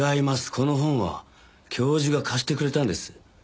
この本は教授が貸してくれたんです。